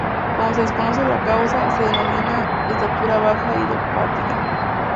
Cuando se desconoce la causa, se denomina "estatura baja idiopática".